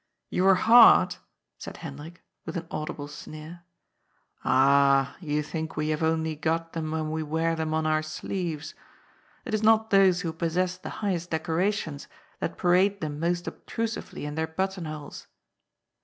" Your heart !" said Hendrik, with an audible sneer. " Ah, you think we haye only got them when we wear them on our sleeyes ! It is not those who possess the high est decorations that parade them most obtrusiyely in their button holes."